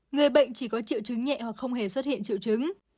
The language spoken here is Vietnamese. người bệnh chỉ có triệu chứng nhẹ hoặc không hề xuất hiện triệu chứng